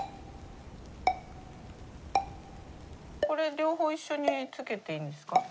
これ両方一緒につけていいんですか？